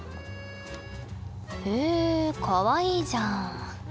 へえかわいいじゃん。